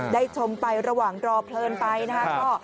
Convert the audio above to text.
ได้ชมไประหว่างรอเพลินไปนะคะ